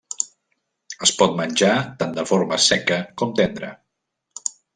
Es pot menjar tan de forma seca com tendra.